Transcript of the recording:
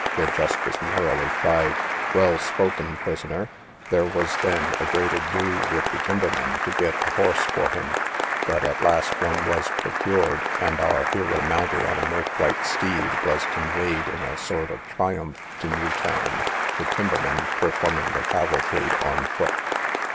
The justice merrily cried, Well spoken, prisoner. There was then a great ado with the timbermen to get a horse for him; but at last one was procured, and our hero, mounted on a milk white steed, was conveyed in a sort of triumph to New Town, the timbermen performing the cavalcade on foot.